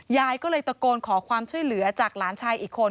ยายก็เลยตะโกนขอความช่วยเหลือจากหลานชายอีกคน